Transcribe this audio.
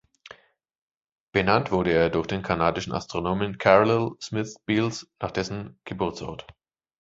Benannt wurde er durch den kanadischen Astronomen Carlyle Smith Beals nach dessen Geburtsort.